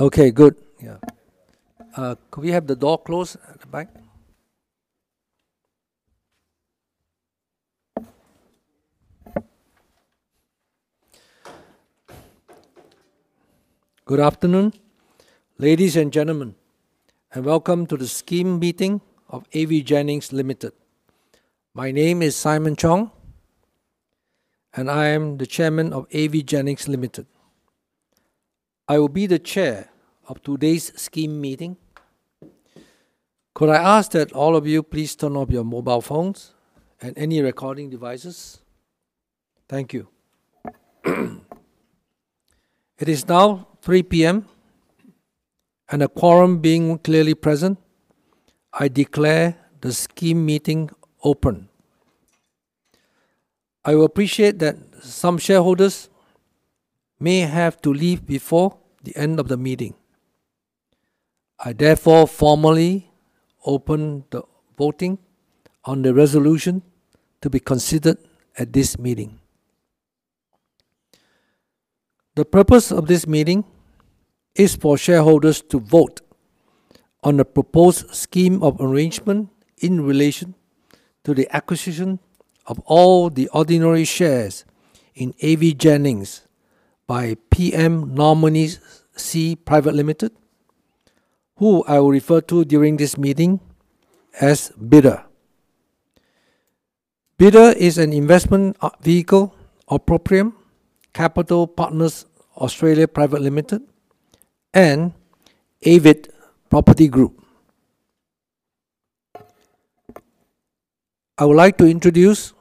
Okay, good. Could we have the door closed? Good afternoon, ladies and gentlemen, and welcome to the Scheme Meeting of AVJennings Limited. My name is Simon Cheong, and I am the Chairman of AVJennings Limited. I will be the Chair of today's Scheme meeting. Could I ask that all of you please turn off your mobile phones and any recording devices? Thank you. It is now 3:00 P.M., and the quorum being clearly present, I declare the Scheme meeting open. I will appreciate that some shareholders may have to leave before the end of the meeting. I therefore formally open the voting on the resolution to be considered at this meeting. The purpose of this meeting is for shareholders to vote on the proposed Scheme of arrangement in relation to the acquisition of all the ordinary shares in AVJennings by PM Nominees C Pty Ltd, who I will refer to during this meeting as Bidder. Bidder is an investment vehicle of Proprium Capital Partners (Australia) Pty Ltd and AVID Property Group. I would like to introduce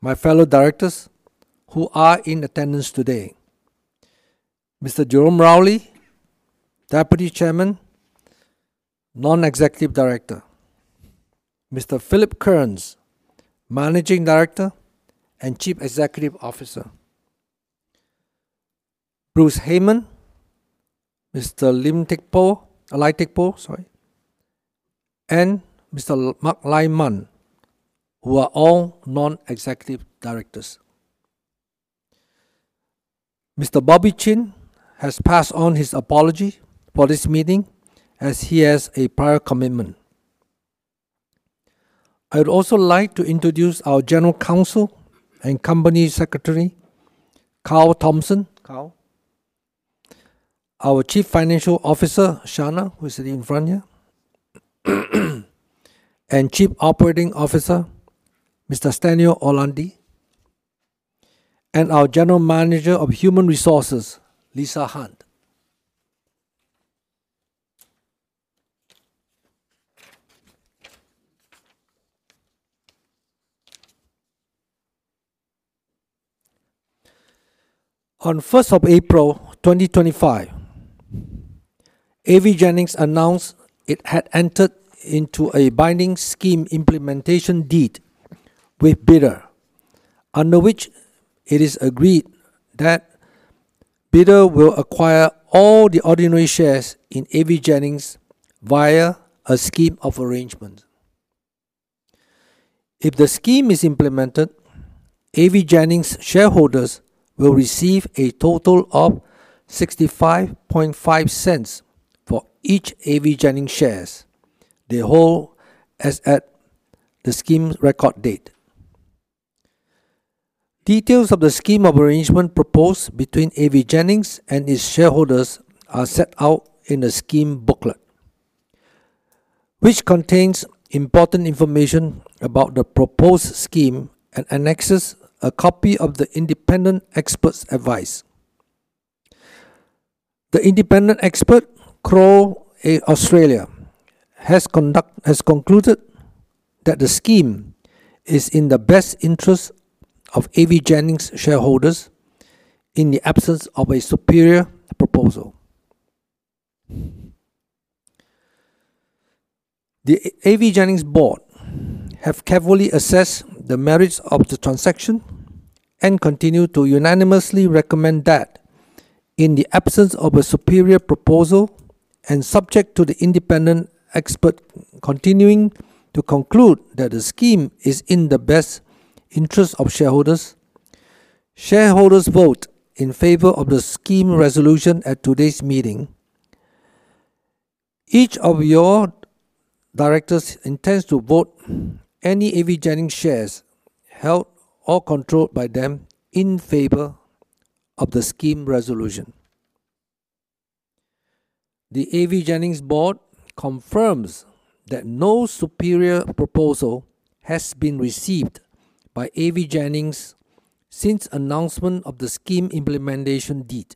my fellow directors who are in attendance today: Mr. Jerome Rowley, Deputy Chairman, Non-Executive Director; Mr. Philip Kearns, Managing Director and Chief Executive Officer; Bruce Hayman, Mr. Lim Teck Poh, and Mr. Mark Lai Man, who are all Non-Executive Directors. Mr. Bobby Chin has passed on his apology for this meeting, as he has a prior commitment. I would also like to introduce our General Counsel and Company Secretary, Carl Thompson, our Chief Financial Officer, Shanna Souter, who is sitting in front of you, and Chief Operating Officer, Mr. Stenio Orlandi, and our General Manager of Human Resources, Lisa Hunt. On 1st of April 2025, AVJennings announced it had entered into a binding Scheme implementation deed with Bidder, under which it is agreed that Bidder will acquire all the ordinary shares in AVJennings via a Scheme of arrangement. If the Scheme is implemented, AVJennings shareholders will receive a total of 65.5 cents for each AVJennings share, the whole as at the Scheme's record date. Details of the Scheme of arrangement proposed between AVJennings and its shareholders are set out in the Scheme booklet, which contains important information about the proposed Scheme and annexes a copy of the independent expert's advice. The independent expert, Crowe, in Australia, has concluded that the Scheme is in the best interest of AVJennings shareholders in the absence of a superior proposal. The AVJennings Board has carefully assessed the merits of the transaction and continues to unanimously recommend that, in the absence of a superior proposal and subject to the independent expert continuing to conclude that the Scheme is in the best interest of shareholders, shareholders vote in favor of the Scheme Resolution at today's meeting. Each of your Directors intends to vote any AVJennings shares held or controlled by them in favor of the Scheme Resolution. The AVJennings Board confirms that no superior proposal has been received by AVJennings since the announcement of the Scheme implementation deed,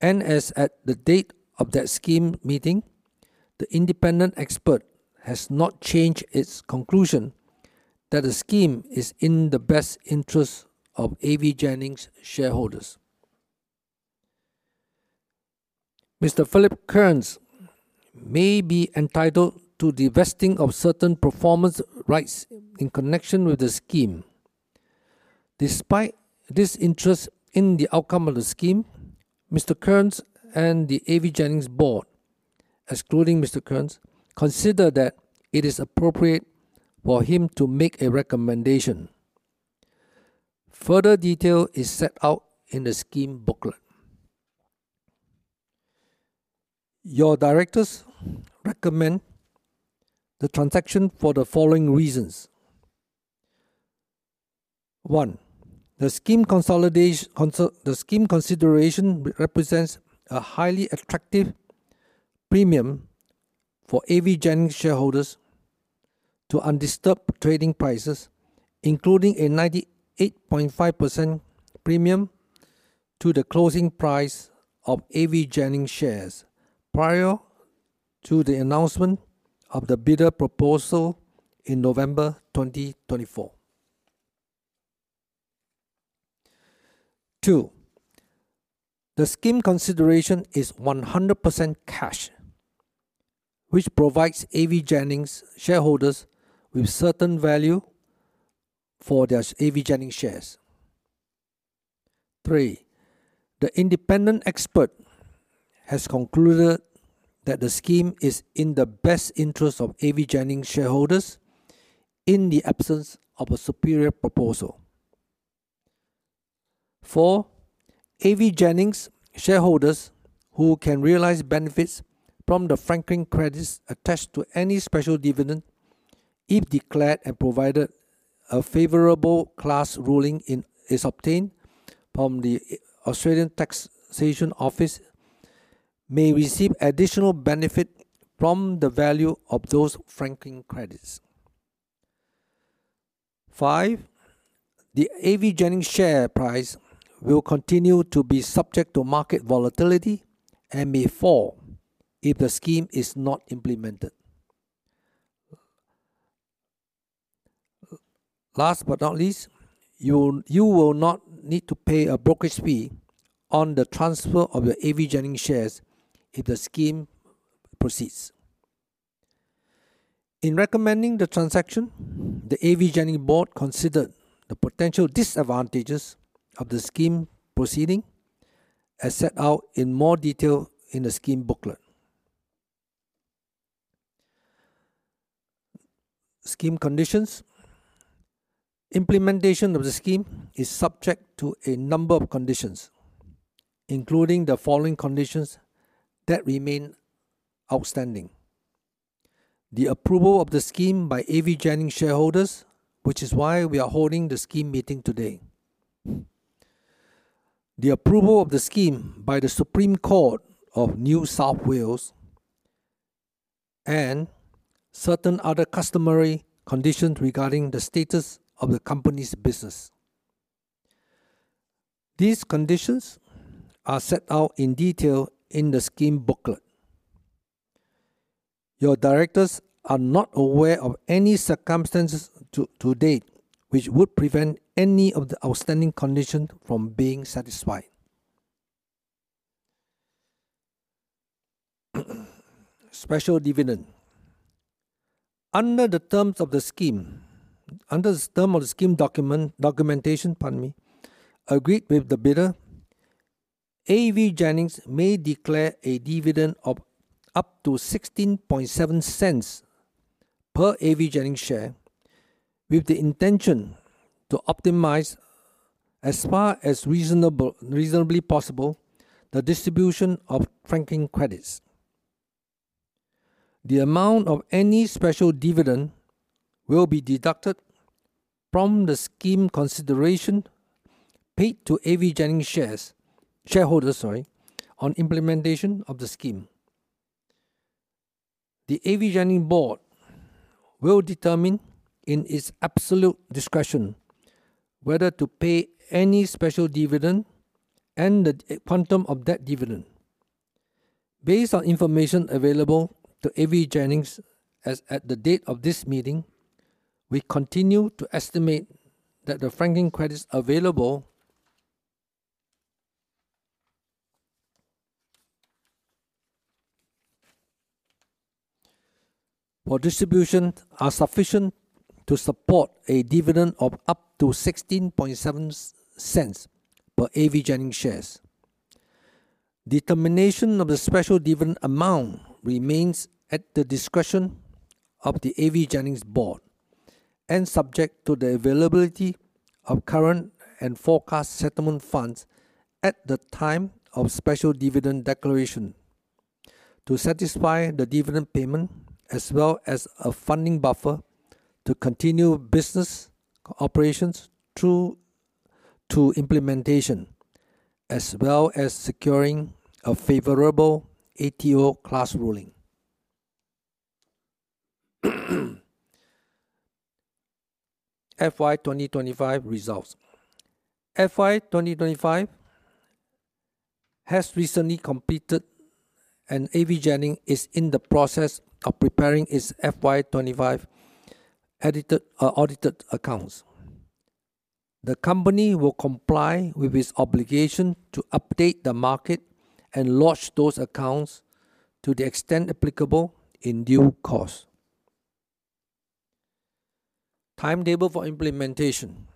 and as at the date of that Scheme meeting, the independent expert has not changed its conclusion that the Scheme is in the best interest of AVJennings shareholders. Mr. Philip Kearns may be entitled to vesting of certain performance rights in connection with the Scheme. Despite this interest in the outcome of the Scheme, Mr. Kearns and the AVJennings Board, excluding Mr. Kearns, consider that it is appropriate for him to make a recommendation. Further detail is set out in the Scheme booklet. Your Directors recommend the transaction for the following reasons: One, the Scheme Consideration represents a highly attractive premium for AVJennings shareholders to undisturbed trading prices, including a 98.5% premium to the closing price of AVJennings shares prior to the announcement of the Bidder Proposal in November 2024. Two, the Scheme Consideration is 100% cash, which provides AVJennings shareholders with certain value for their AVJennings shares. Three, the independent expert has concluded that the Scheme is in the best interest of AVJennings shareholders in the absence of a superior proposal. Four, AVJennings shareholders who can realize benefits from the franking credits attached to any Special Dividend if declared and provided a favorable class ruling is obtained from the Australian Taxation Office, may receive additional benefit from the value of those franking credits. Five, the AVJennings share price will continue to be subject to market volatility and may fall if the Scheme is not implemented. Last but not least, you will not need to pay a brokerage fee on the transfer of your AVJennings shares if the Scheme proceeds. In recommending the transaction, the AVJennings Board considered the potential disadvantages of the Scheme proceeding as set out in more detail in the Scheme booklet. Scheme conditions. Implementation of the Scheme is subject to a number of conditions, including the following conditions that remain outstanding: the approval of the Scheme by AVJennings shareholders, which is why we are holding the Scheme meeting today, the approval of the Scheme by the Supreme Court of New South Wales, and certain other customary conditions regarding the status of the company's business. These conditions are set out in detail in the Scheme booklet. Your Directors are not aware of any circumstances to date which would prevent any of the outstanding conditions from being satisfied. Special dividend. Under the terms of the Scheme, under the terms of the Scheme documentation, pardon me, agreed with the Bidder, AVJennings may declare a dividend of up to 16.7 cents per AVJennings share with the intention to optimize as far as reasonably possible the distribution of franking credits. The amount of any Special Dividend will be deducted from the Scheme Consideration paid to AVJennings shareholders on implementation of the Scheme. The AVJennings Board will determine in its absolute discretion whether to pay any Special Dividend and the quantum of that dividend. Based on information available to AVJennings as at the date of this meeting, we continue to estimate that the franking credits available for distribution are sufficient to support a dividend of up to 16.7 cents per AVJennings share. Determination of the Special Dividend amount remains at the discretion of the AVJennings Board and subject to the availability of current and forecast settlement funds at the time of Special Dividend declaration to satisfy the dividend payment as well as a funding buffer to continue business operations through to implementation, as well as securing a favorable ATO class ruling. FY 2025 Results. FY 2025 has recently completed and AVJennings is in the process of preparing its FY 2025 audited accounts. The company will comply with its obligation to update the market and launch those accounts to the extent applicable in due course. Timetable for implementation.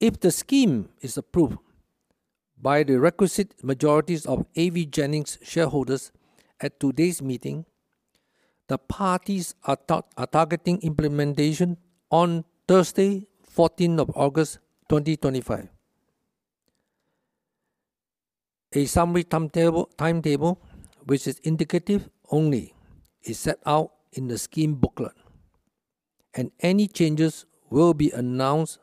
If the Scheme is approved by the requisite majorities of AVJennings shareholders at today's meeting, the parties are targeting implementation on Thursday, 14th of August 2025. A summary timetable, which is indicative only, is set out in the Scheme booklet, and any changes will be announced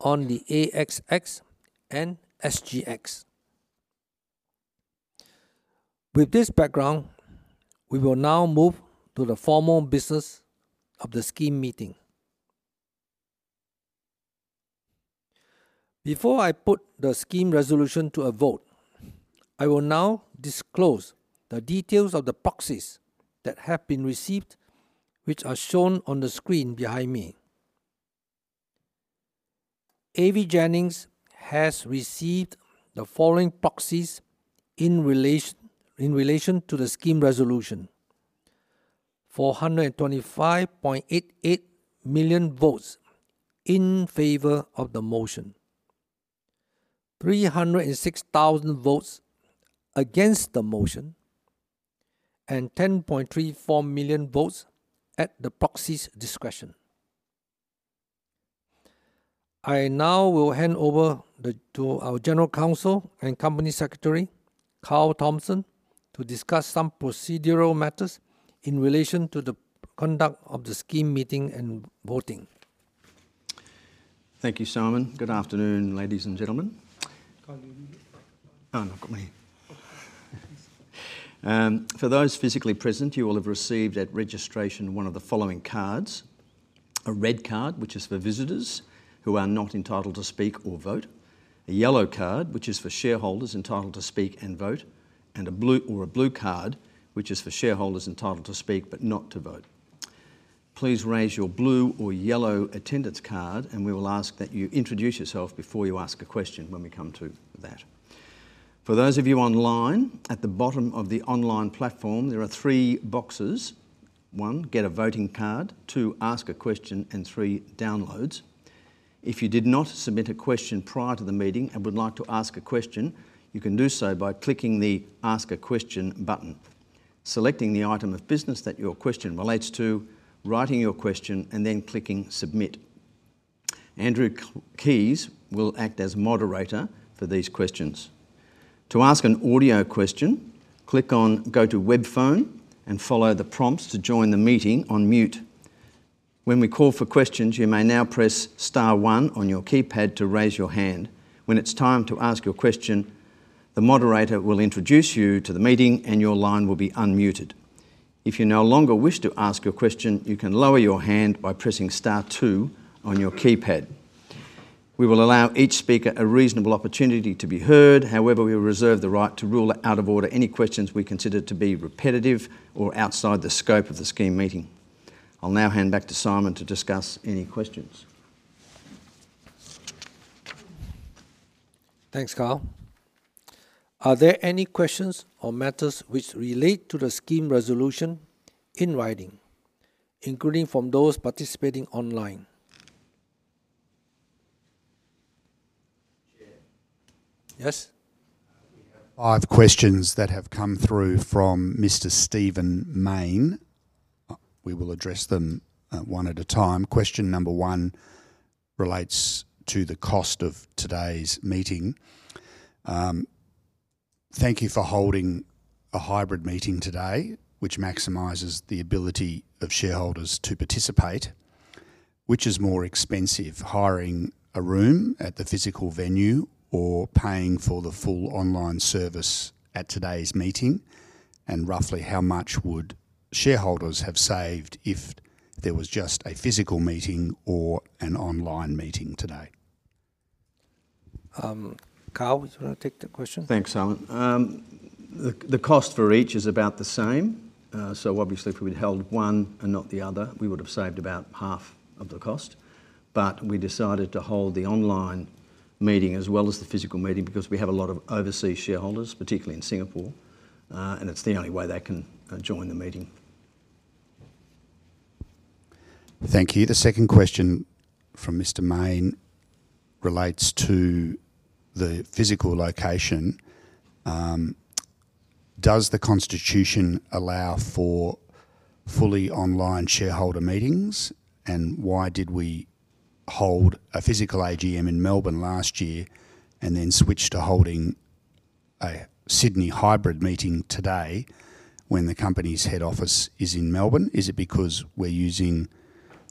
on the ASX and SGX. With this background, we will now move to the formal business of the Scheme meeting. Before I put the Scheme Resolution to a vote, I will now disclose the details of the proxies that have been received, which are shown on the screen behind me. AVJennings has received the following proxies in relation to the Scheme Resolution: 425.88 million votes in favor of the motion, 306,000 votes against the motion, and 10.34 million votes at the proxy's discretion. I now will hand over to our General Counsel and Company Secretary, Carl Thompson, to discuss some procedural matters in relation to the conduct of the Scheme meeting and voting. Thank you, Simon. Good afternoon, ladies and gentlemen. For those physically present, you will have received at registration one of the following cards: a red card, which is for visitors who are not entitled to speak or vote; a yellow card, which is for shareholders entitled to speak and vote; and a blue card, which is for shareholders entitled to speak but not to vote. Please raise your blue or yellow attendance card, and we will ask that you introduce yourself before you ask a question when we come to that. For those of you online, at the bottom of the online platform, there are three boxes: one, get a voting card; two, ask a question; and three, downloads. If you did not submit a question prior to the meeting and would like to ask a question, you can do so by clicking the Ask a Question button, selecting the item of business that your question relates to, writing your question, and then clicking Submit. Andrew Keys will act as moderator for these questions. To ask an audio question, click on Go to Web Phone and follow the prompts to join the meeting on mute. When we call for questions, you may now press Star one on your keypad to raise your hand. When it's time to ask your question, the moderator will introduce you to the meeting and your line will be unmuted. If you no longer wish to ask your question, you can lower your hand by pressing Star two on your keypad. We will allow each speaker a reasonable opportunity to be heard. However, we will reserve the right to rule out of order any questions we consider to be repetitive or outside the scope of the Scheme meeting. I'll now hand back to Simon to discuss any questions. Thanks, Carl. Are there any questions or matters which relate to the Scheme Resolution in writing, including from those participating online? Yes. Five questions that have come through from Mr. Stephen Main. We will address them one at a time. Question number one relates to the cost of today's meeting. Thank you for holding a hybrid meeting today, which maximizes the ability of shareholders to participate. Which is more expensive, hiring a room at the physical venue or paying for the full online service at today's meeting? Roughly how much would shareholders have saved if there was just a physical meeting or an online meeting today? Carl, would you want to take that question? Thanks, Simon. The cost for each is about the same. If we'd held one and not the other, we would have saved about half of the cost. We decided to hold the online meeting as well as the physical meeting because we have a lot of overseas shareholders, particularly in Singapore, and it's the only way they can join the meeting. Thank you. The second question from Mr. Main relates to the physical location. Does the Constitution allow for fully online shareholder meetings? Why did we hold a Physical AGM in Melbourne last year and then switch to holding a Sydney Hybrid Meeting today when the company's head office is in Melbourne? Is it because we're using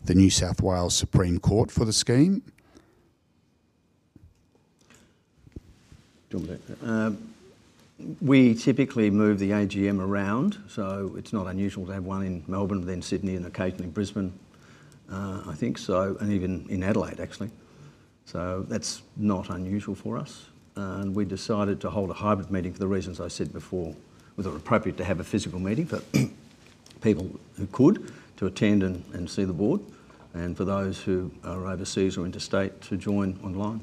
the New South Wales Supreme Court for the Scheme? We typically move the AGM around, so it's not unusual to have one in Melbourne, then Sydney, and occasionally Brisbane, I think, and even in Adelaide, actually. That's not unusual for us. We decided to hold a hybrid meeting for the reasons I said before. Was it appropriate to have a physical meeting for people who could attend and see the Board, and for those who are overseas or interstate to join online?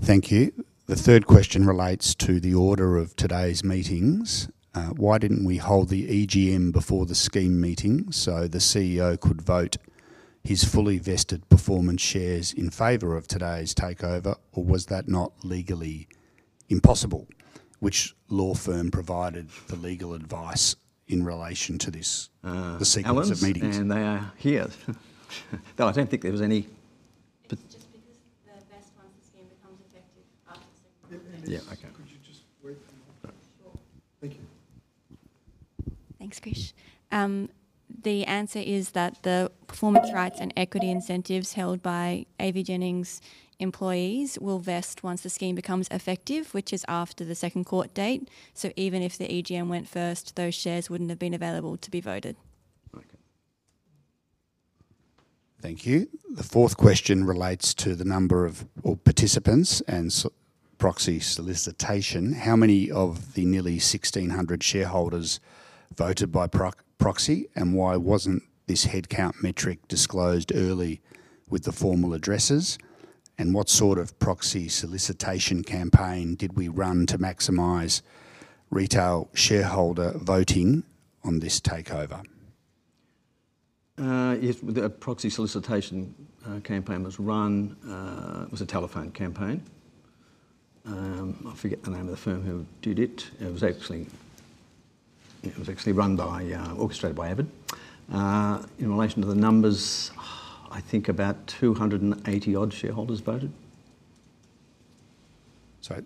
Thank you. The third question relates to the order of today's meetings. Why didn't we hold the AGM before the Scheme meeting so the CEO could vote his fully vested performance shares in favor of today's takeover, or was that not legally impossible? Which law firm provided the legal advice in relation to this? Hello, and they are here. No, I don't think there was any. Yeah, can you just wait. Thanks, [Chris]. The answer is that the performance rights and equity incentives held by AVJennings employees will vest once the Scheme becomes effective, which is after the second court date. Even if the AGM went first, those shares wouldn't have been available to be voted. Thank you. The fourth question relates to the number of participants and proxy solicitation. How many of the nearly 1,600 shareholders voted by proxy? Why wasn't this headcount metric disclosed early with the formal addresses? What sort of proxy solicitation campaign did we run to maximize retail shareholder voting on this takeover? The proxy solicitation campaign was run. It was a telephone campaign. I forget the name of the firm who did it. It was actually run by, orchestrated by AVID. In relation to the numbers, I think about 280-odd shareholders voted.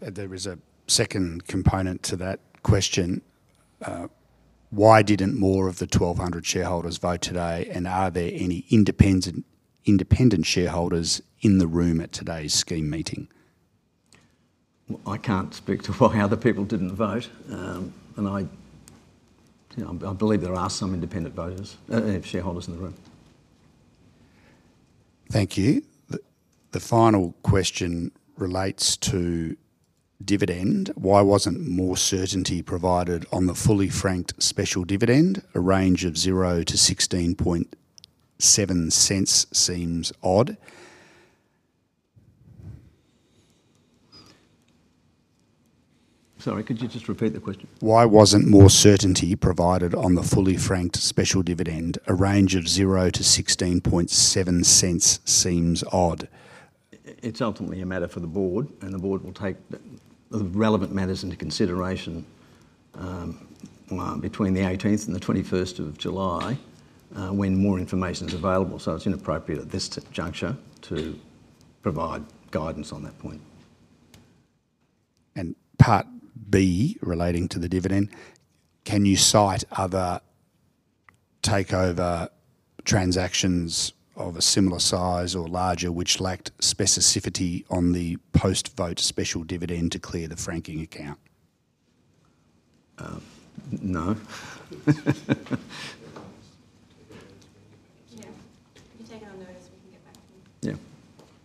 There is a second component to that question. Why didn't more of the 1,200 shareholders vote today? Are there any independent shareholders in the room at today's Scheme meeting? I can't speak to why other people didn't vote. I believe there are some independent voters, shareholders in the room. Thank you. The final question relates to dividend. Why wasn't more certainty provided on the fully franked Special Dividend? A range of 0 to 16.7 cents seems odd. Sorry, could you just repeat the question? Why wasn't more certainty provided on the fully franked Special Dividend? A range of 0 to 16.7 cents seems odd. It's ultimately a matter for the Board, and the Board will take the relevant matters into consideration between the 18th and the 21st of July when more information is available. It's inappropriate at this juncture to provide guidance on that point. Part B relating to the dividend, can you cite other takeover transactions of a similar size or larger which lacked specificity on the post-vote Special Dividend to clear the franking account? No. Yeah,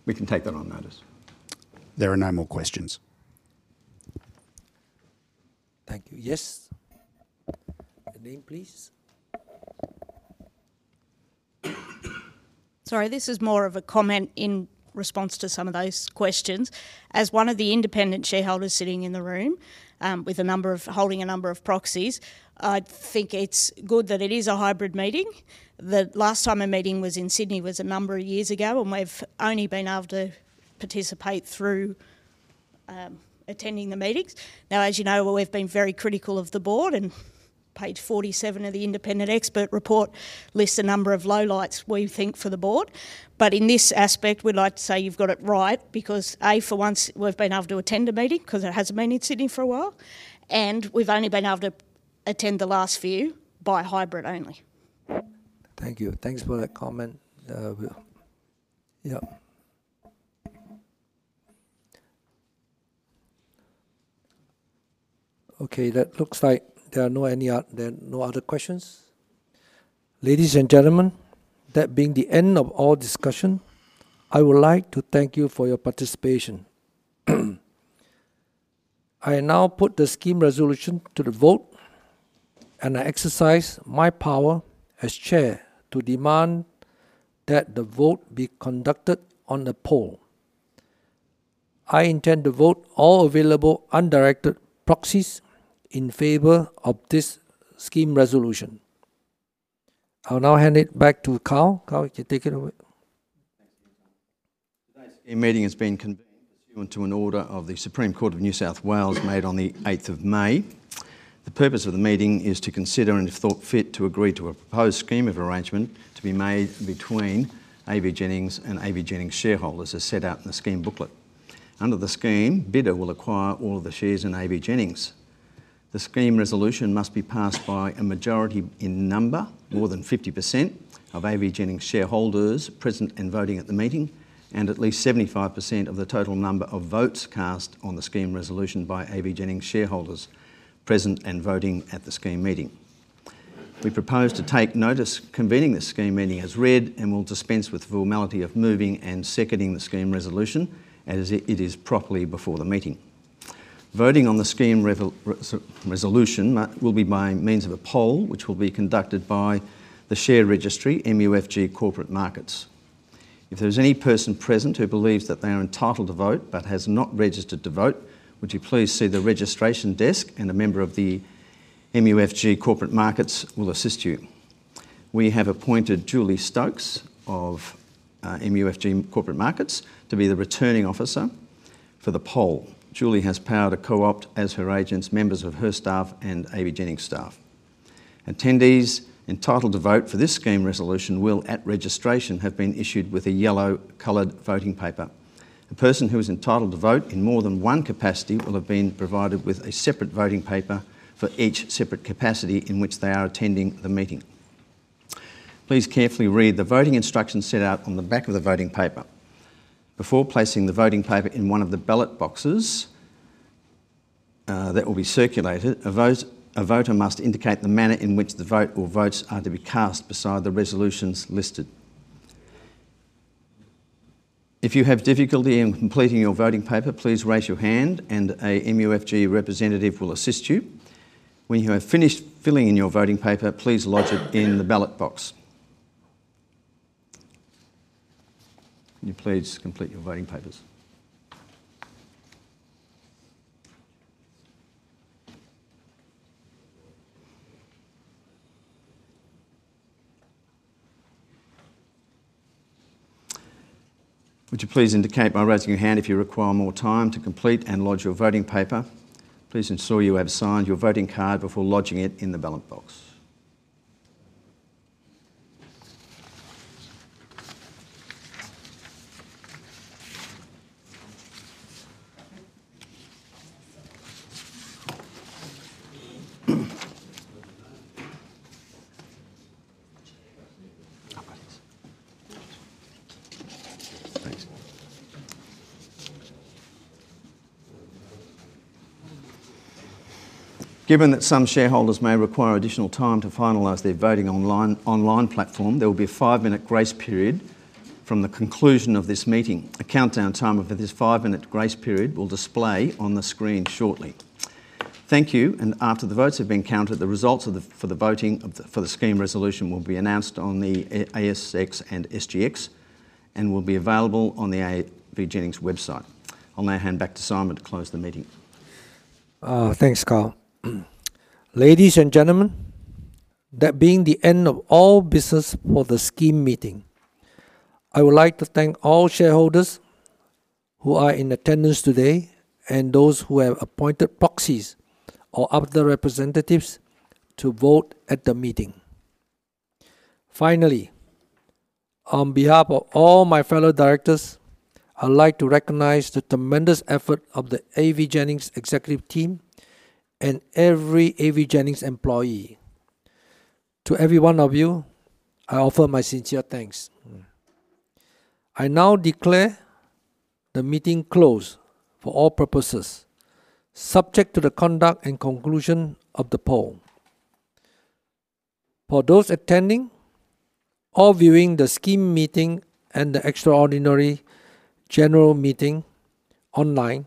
we can take that on notice. There are no more questions. Thank you. Yes. A name, please. Sorry, this is more of a comment in response to some of those questions. As one of the independent shareholders sitting in the room with a number of proxies, I think it's good that it is a hybrid meeting. The last time a meeting was in Sydney was a number of years ago, and we've only been able to participate through attending the meetings. As you know, we've been very critical of the board, and page 47 of the independent expert report lists a number of lowlights we think for the board. In this aspect, we'd like to say you've got it right because, for once, we've been able to attend a meeting because it hasn't been in Sydney for a while, and we've only been able to attend the last few by hybrid only. Thank you. Thanks for that comment. Okay, that looks like there are no other questions. Ladies and gentlemen, that being the end of our discussion, I would like to thank you for your participation. I now put the Scheme Resolution to the vote, and I exercise my power as Chair to demand that the vote be conducted on the poll. I intend to vote all available undirected proxies in favor of this Scheme Resolution. I'll now hand it back to Carl. Carl, you can take it away. A meeting has been convened to an order of the Supreme Court of New South Wales made on the 8th of May. The purpose of the meeting is to consider and, if thought fit, to agree to a proposed Scheme of arrangement to be made between AVJennings and AVJennings shareholders as set out in the Scheme, PM Nominees C Pty Ltd (Bidder) will acquire all of the shares in AVJennings. The Scheme Resolution must be passed by a majority in number, more than 50% of AVJennings shareholders present and voting at the meeting, and at least 75% of the total number of votes cast on the Scheme Resolution by AVJennings shareholders present and voting at the Scheme meeting. We propose to take notice convening the Scheme meeting as read and will dispense with the formality of moving and seconding the Scheme Resolution as it is properly before the meeting. Voting on the Scheme Resolution will be by means of a poll, which will be conducted by the share registry, MUFG Corporate Markets. If there is any person present who believes that they are entitled to vote but has not registered to vote, would you please see the registration desk and a member of MUFG Corporate Markets will assist you. We have appointed Julie Stokes of MUFG Corporate Markets to be the returning officer for the poll. Julie has power to co-opt as her agents, members of her staff, and AVJennings staff. Attendees entitled to vote for this Scheme Resolution will at registration have been issued with a yellow-colored voting paper. A person who is entitled to vote in more than one capacity will have been provided with a separate voting paper for each separate capacity in which they are attending the meeting. Please carefully read the voting instructions set out on the back of the voting paper. Before placing the voting paper in one of the ballot boxes that will be circulated, a voter must indicate the manner in which the vote or votes are to be cast beside the resolutions listed. If you have difficulty in completing your voting paper, please raise your hand and a MUFG Corporate Markets representative will assist you. When you have finished filling in your voting paper, please lodge it in the ballot box. Can you please complete your voting papers? Would you please indicate by raising your hand if you require more time to complete and lodge your voting paper? Please ensure you have signed your voting card before lodging it in the ballot box. Given that some shareholders may require additional time to finalize their voting online platform, there will be a five-minute grace period from the conclusion of this meeting. A countdown timer for this five-minute grace period will display on the screen shortly. Thank you. After the votes have been counted, the results for the voting for the Scheme Resolution will be announced on the ASX and SGX and will be available on the AVJennings website. I'll now hand back to Simon to close the meeting. Thanks, Carl. Ladies and gentlemen, that being the end of all business for the Scheme meeting, I would like to thank all shareholders who are in attendance today and those who have appointed proxies or other representatives to vote at the meeting. Finally, on behalf of all my fellow Directors, I'd like to recognize the tremendous effort of the AVJennings executive team and every AVJennings employee. To every one of you, I offer my sincere thanks. I now declare the meeting closed for all purposes, subject to the conduct and conclusion of the poll. For those attending or viewing the Scheme meeting and the Extraordinary General Meeting online,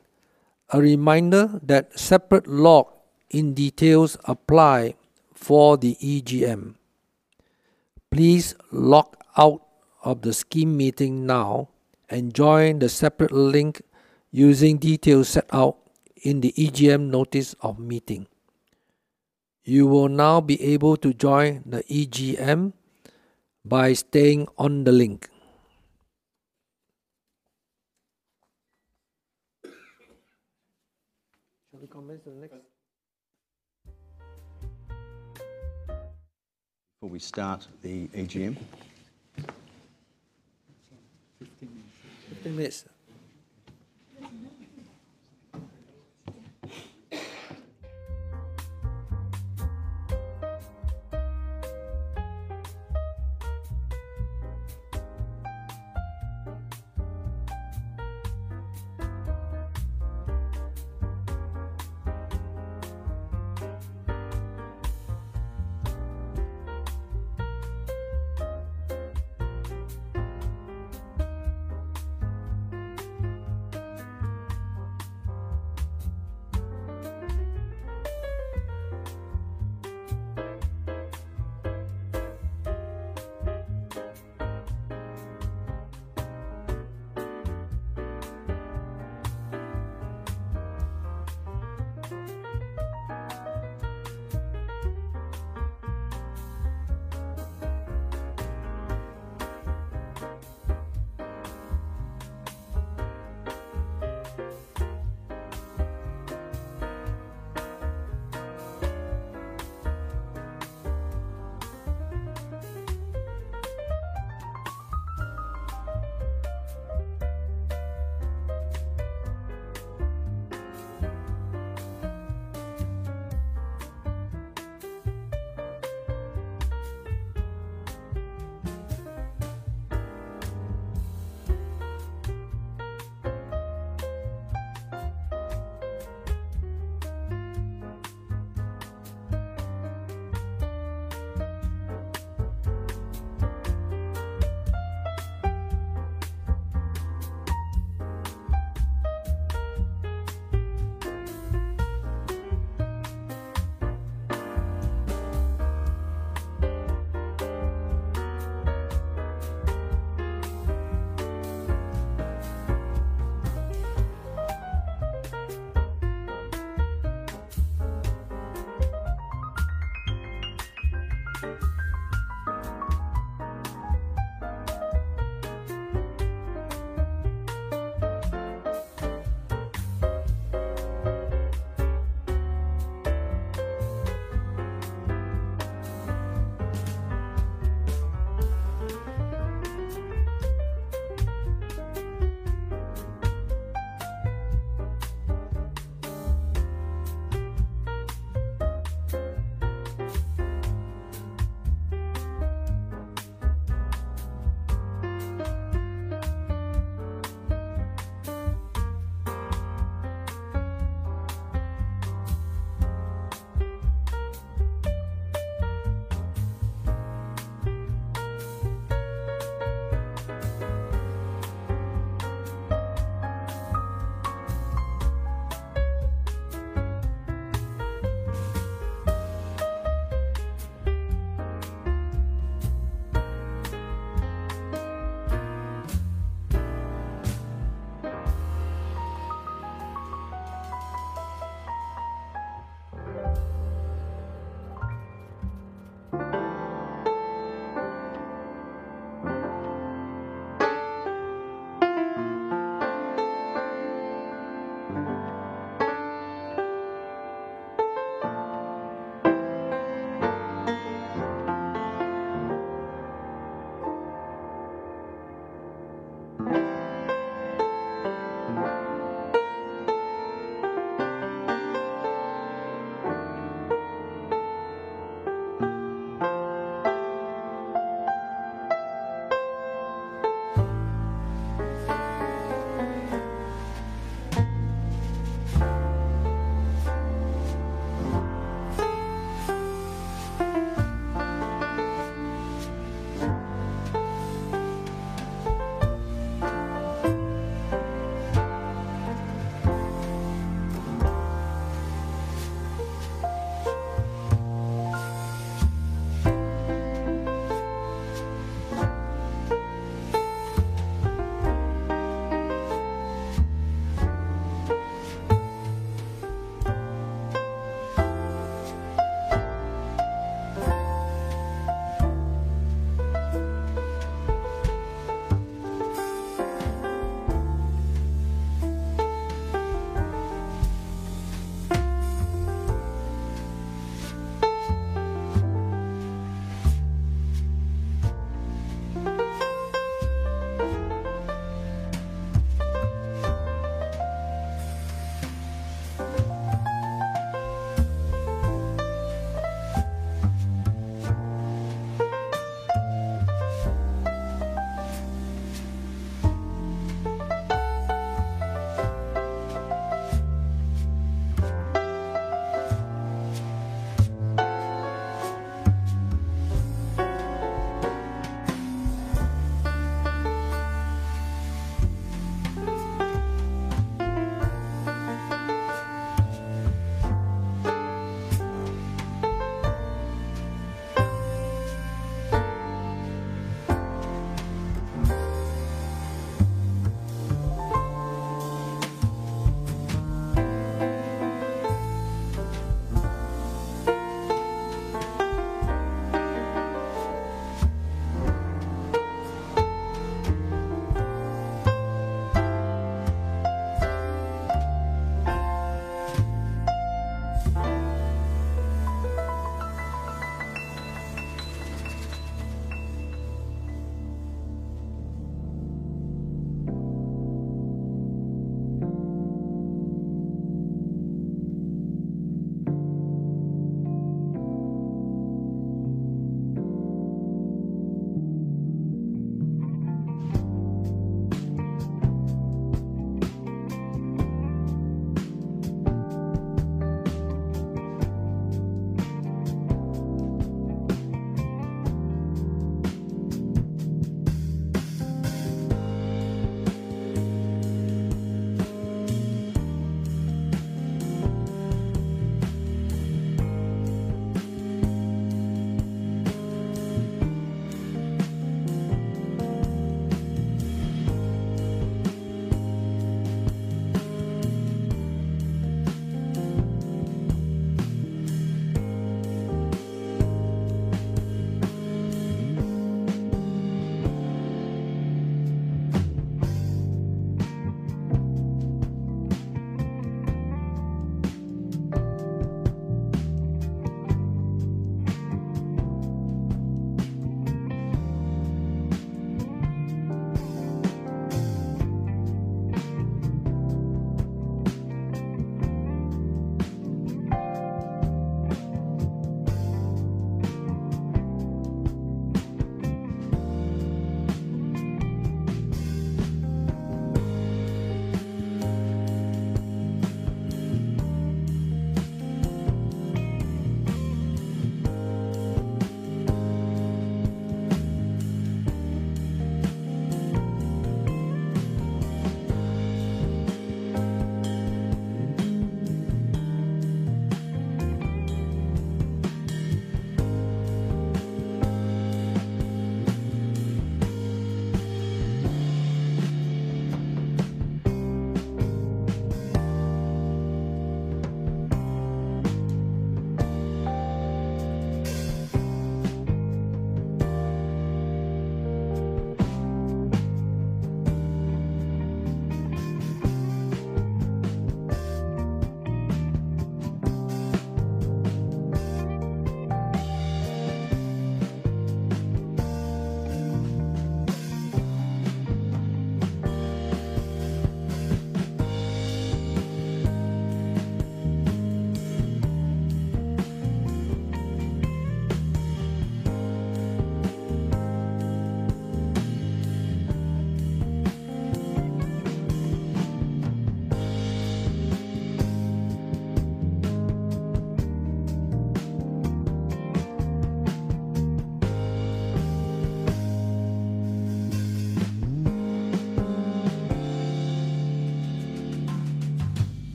a reminder that separate log in details apply for the AGM. Please log out of the Scheme meeting now and join the separate link using details set out in the AGM notice of meeting. You will now be able to join the AGM by staying on the link. Shall we come back to the next? Before we start the AGM.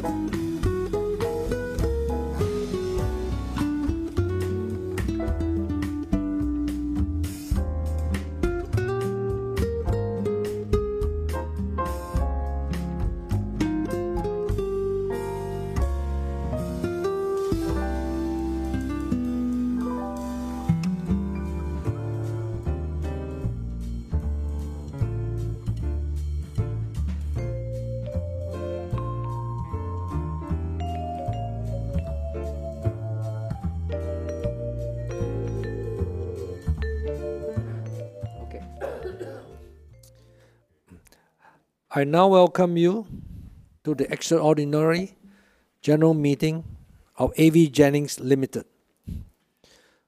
15 minutes. I now welcome you to the Extraordinary General Meeting of AVJennings Limited.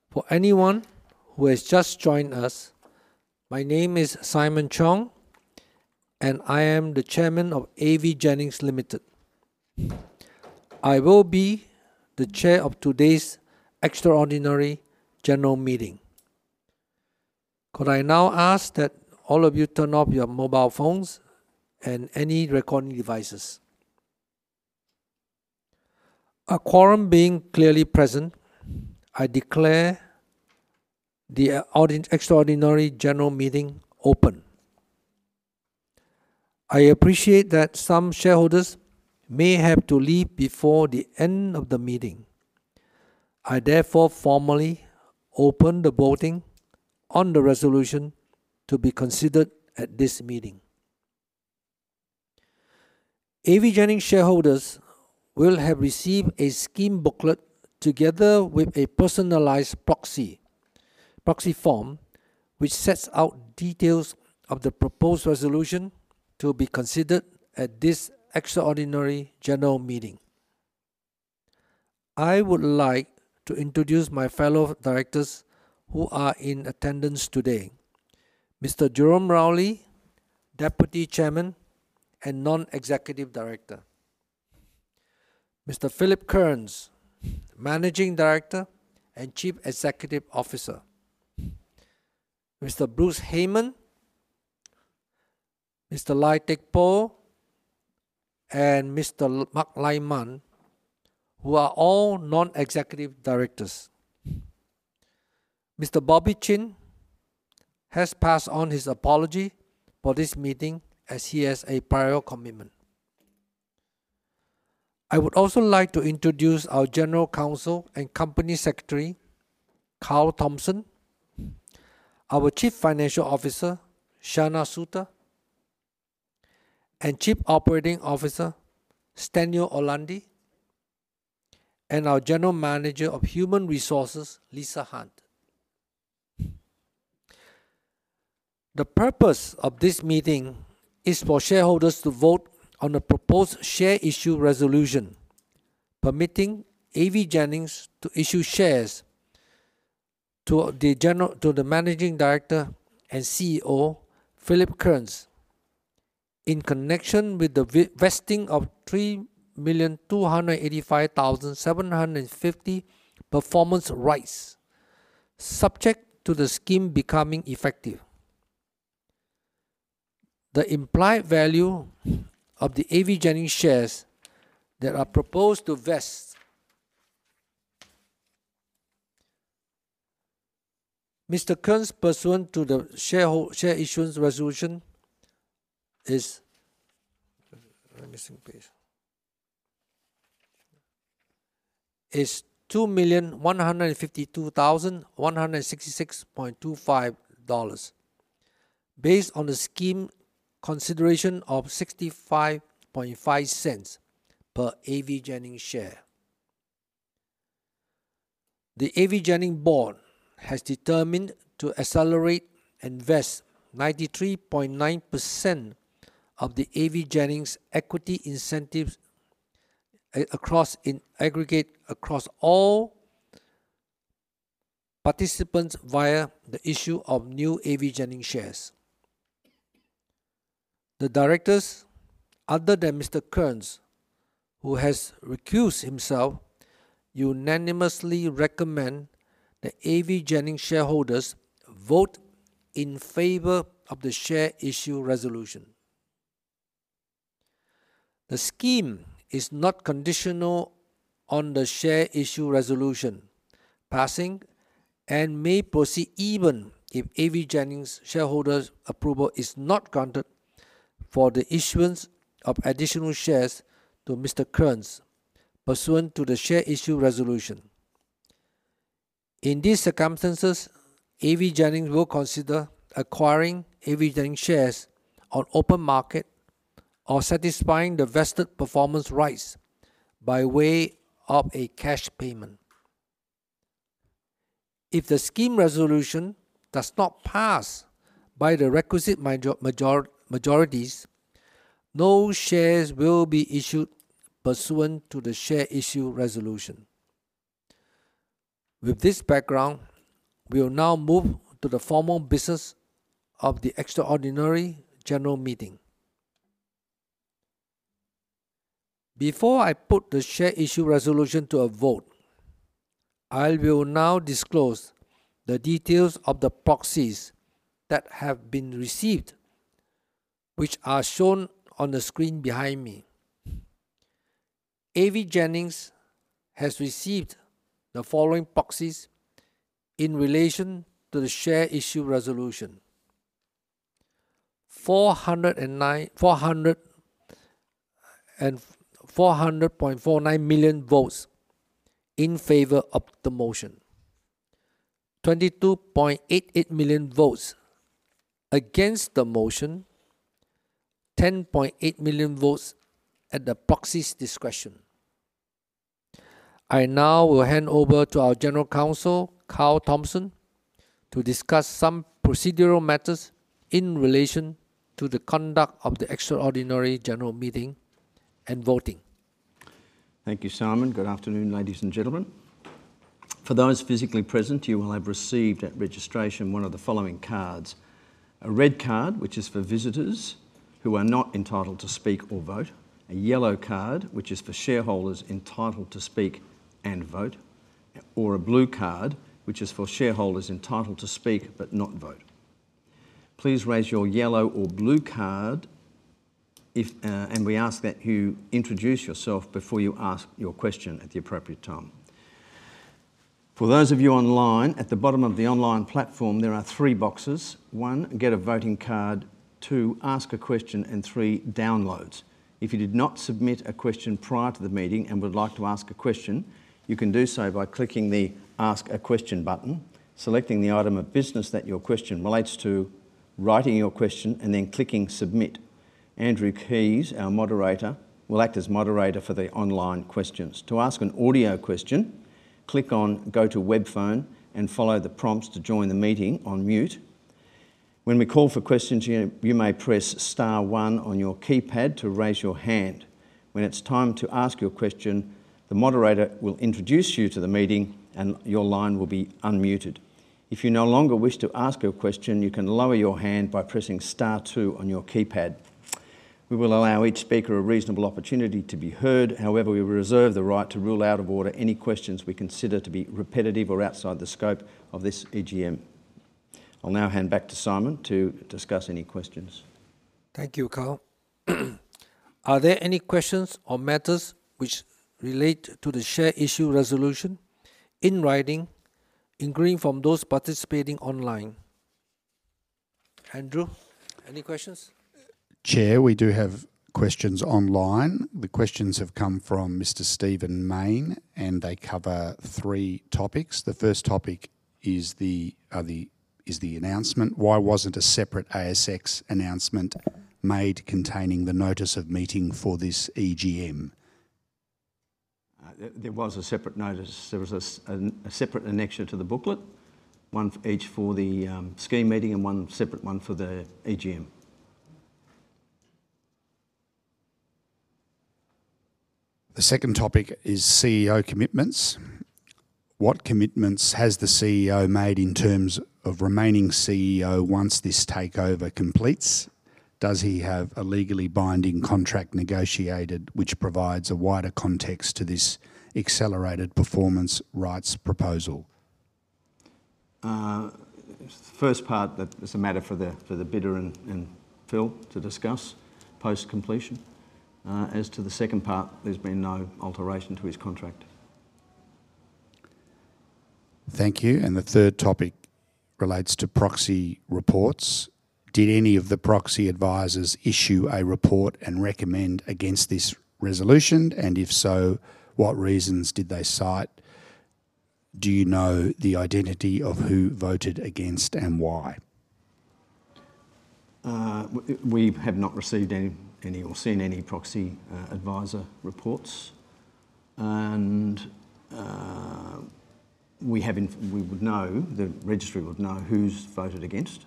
For anyone who has just joined us, my name is Simon Cheong, and I am the Chairman of AVJennings Limited. I will be the Chair of today's Extraordinary General Meeting. Could I now ask that all of you turn off your mobile phones and any recording devices? A quorum being clearly present, I declare the Extraordinary General Meeting open. I appreciate that some shareholders may have to leave before the end of the meeting. I therefore formally open the voting on the resolution to be considered at this meeting. AVJennings shareholders will have received a Scheme booklet together with a personalized proxy form, which sets out details of the proposed resolution to be considered at this Extraordinary General Meeting. I would like to introduce my fellow directors who are in attendance today: Mr. Jerome Rowley, Deputy Chairman and Non-Executive Director; Mr. Philip Kearns, Managing Director and Chief Executive Officer; Mr. Bruce Hayman, Mr. Lim Teck Poh, and Mr. Mark Lai Man, who are all Non-Executive Directors. Mr. Bobby Chin has passed on his apology for this meeting as he has a prior commitment. I would also like to introduce our General Counsel and Company Secretary, Carl Thompson, our Chief Financial Officer, Shanna Souter, and Chief Operating Officer, Stenio Orlandi, and our General Manager of Human Resources, Lisa Hunt. The purpose of this meeting is for shareholders to vote on the proposed share issue resolution, permitting AVJennings to issue shares to the Managing Director and CEO, Philip Kearns, in connection with the vesting of 3,285,750 performance rights subject to the Scheme becoming effective. The implied value of the AVJennings shares that are proposed to vest to Mr. Kearns pursuant to the share issuance resolution is $2,152,166.25 based on the Scheme Consideration of 65.5 cents per AVJennings share. The AVJennings Board has determined to accelerate and vest 93.9% of the AVJennings equity incentives in aggregate across all participants via the issue of new AVJennings shares. The directors, other than Mr. Kearns, who has recused himself, unanimously recommend that AVJennings shareholders vote in favor of the share issue resolution. The Scheme is not conditional on the share issue resolution passing and may proceed even if AVJennings shareholders' approval is not granted for the issuance of additional shares to Mr. Kearns pursuant to the share issue resolution. In these circumstances, AVJennings will consider acquiring AVJennings shares on open market or satisfying the vested performance rights by way of a cash payment. If the Scheme Resolution does not pass by the requisite majorities, no shares will be issued pursuant to the share issue resolution. With this background, we will now move to the formal business of the Extraordinary General Meeting. Before I put the share issue resolution to a vote, I will now disclose the details of the proxies that have been received, which are shown on the screen behind me. AVJennings has received the following proxies in relation to the share issue resolution: 400.49 million votes in favor of the motion, 22.88 million votes against the motion, 10.8 million votes at the proxy's discretion. I now will hand over to our General Counsel, Carl Thompson, to discuss some procedural matters in relation to the conduct of the Extraordinary General Meeting and voting. Thank you, Simon. Good afternoon, ladies and gentlemen. For those physically present, you will have received at registration one of the following cards: a red card, which is for visitors who are not entitled to speak or vote, a yellow card, which is for shareholders entitled to speak and vote, or a blue card, which is for shareholders entitled to speak but not vote. Please raise your yellow or blue card, and we ask that you introduce yourself before you ask your question at the appropriate time. For those of you online, at the bottom of the online platform, there are three boxes: one, get a voting card; two, ask a question; and three, downloads. If you did not submit a question prior to the meeting and would like to ask a question, you can do so by clicking the Ask a Question button, selecting the item of business that your question relates to, writing your question, and then clicking Submit. Andrew Keys, our moderator, will act as moderator for the online questions. To ask an audio question, click on Go to Web Phone and follow the prompts to join the meeting on mute. When we call for questions, you may press Star one on your keypad to raise your hand. When it's time to ask your question, the moderator will introduce you to the meeting, and your line will be unmuted. If you no longer wish to ask your question, you can lower your hand by pressing Star two on your keypad. We will allow each speaker a reasonable opportunity to be heard. However, we will reserve the right to rule out of order any questions we consider to be repetitive or outside the scope of this AGM. I'll now hand back to Simon to discuss any questions. Thank you, Carl. Are there any questions or matters which relate to the share issue resolution in writing, including from those participating online? Andrew, any questions? Chair, we do have questions online. The questions have come from Mr. Stephen Main, and they cover three topics. The first topic is the announcement. Why wasn't a separate ASX announcement made containing the notice of meeting for this AGM? There was a separate notice. There was a separate annexure to the booklet, one each for the Scheme meeting and one separate one for the AGM. The second topic is CEO commitments. What commitments has the CEO made in terms of remaining CEO once this takeover completes? Does he have a legally binding contract negotiated which provides a wider context to this accelerated performance rights proposal? The first part, that's a matter for the bidder and Phil to discuss post-completion. As to the second part, there's been no alteration to his contract. Thank you. The third topic relates to proxy reports. Did any of the proxy advisors issue a report and recommend against this resolution? If so, what reasons did they cite? Do you know the identity of who voted against and why? We have not received any or seen any proxy advisor reports. We would know, the registry would know who's voted against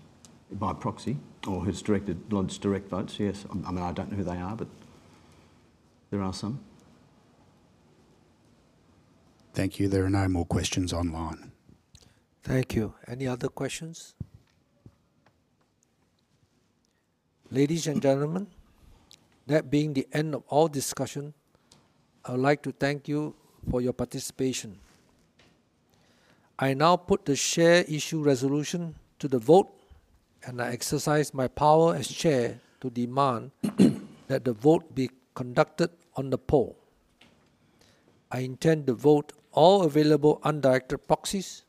by proxy or has directed lodged direct votes. Yes, I mean, I don't know who they are, but there are some. Thank you. There are no more questions online. Thank you. Any other questions? Ladies and gentlemen, that being the end of all discussion, I would like to thank you for your participation. I now put the share issue resolution to the vote, and I exercise my power as Chair to demand that the vote be conducted on the poll. I intend to vote all available undirected proxies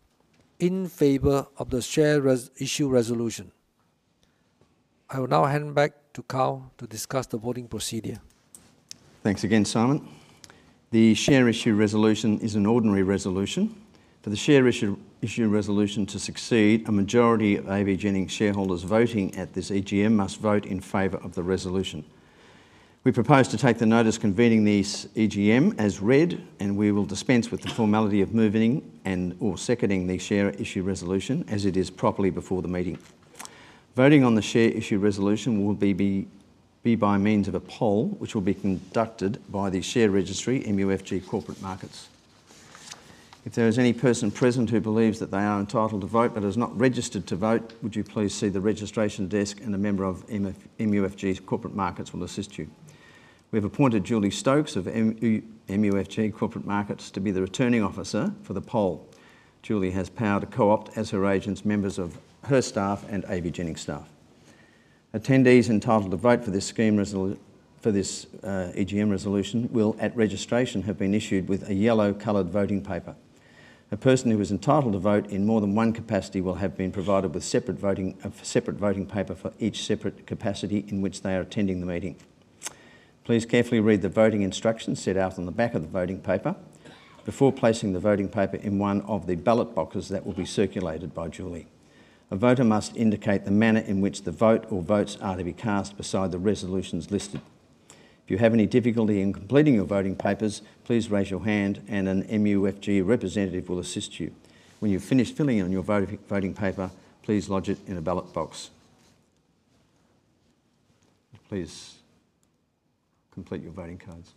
in favor of the share issue resolution. I will now hand back to Carl to discuss the voting procedure. Thanks again, Simon. The share issue resolution is an ordinary resolution. For the share issue resolution to succeed, a majority of AVJennings shareholders voting at this AGM must vote in favor of the resolution. We propose to take the notice convening this AGM as read, and we will dispense with the formality of moving and/or seconding the share issue resolution as it is properly before the meeting. Voting on the share issue resolution will be by means of a poll, which will be conducted by the share registry, MUFG Corporate Markets. If there is any person present who believes that they are entitled to vote but has not registered to vote, would you please see the registration desk and a member of MUFG Corporate Markets will assist you. We have appointed Julie Stokes of MUFG Corporate Markets to be the returning officer for the poll. Julie has power to co-opt as her agents, members of her staff, and AVJennings staff. Attendees entitled to vote for this AGM resolution will, at registration, have been issued with a yellow-colored voting paper. A person who is entitled to vote in more than one capacity will have been provided with a separate voting paper for each separate capacity in which they are attending the meeting. Please carefully read the voting instructions set out on the back of the voting paper before placing the voting paper in one of the ballot boxes that will be circulated by Julie. A voter must indicate the manner in which the vote or votes are to be cast beside the resolutions listed. If you have any difficulty in completing your voting papers, please raise your hand and an MUFG representative will assist you. When you've finished filling in your voting paper, please lodge it in a ballot box. Please complete your voting cards.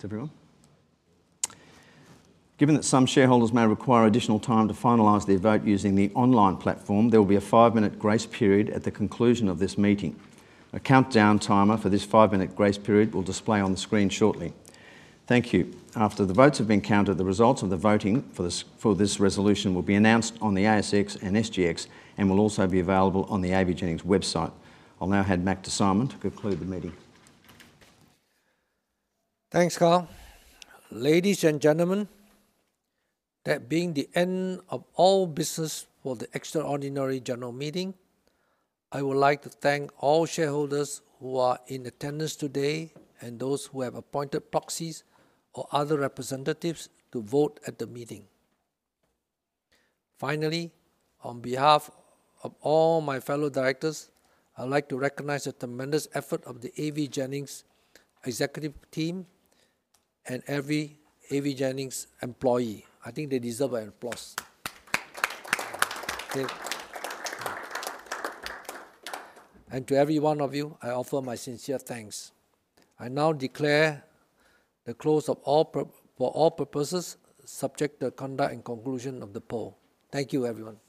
Thanks, everyone. Given that some shareholders may require additional time to finalize their vote using the online platform, there will be a five-minute grace period at the conclusion of this meeting. A countdown timer for this five-minute grace period will display on the screen shortly. Thank you. After the votes have been counted, the results of the voting for this resolution will be announced on the ASX and SGX and will also be available on the AVJennings website. I'll now hand back to Simon to conclude the meeting. Thanks, Carl. Ladies and gentlemen, that being the end of all business for the Extraordinary General Meeting, I would like to thank all shareholders who are in attendance today and those who have appointed proxies or other representatives to vote at the meeting. Finally, on behalf of all my fellow Directors, I'd like to recognize the tremendous effort of the AVJennings executive team and every AVJennings employee. I think they deserve an applause. To every one of you, I offer my sincere thanks. I now declare the close of all, for all purposes, subject to the conduct and conclusion of the poll. Thank you, everyone. Thanks.